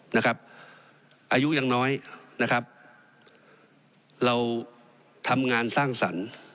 เอายุยังน้อยเราทำงานสร้างศรรย์